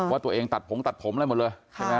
ว่าตัวเองตัดผมตัดผมอะไรหมดเลย